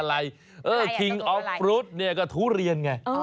อะไรอ่ะตัวอะไรคิงออฟฟรุตก็ทุเรียนไง